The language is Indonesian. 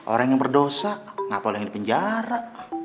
orang yang berdosa ngapa lo ingin dipenjara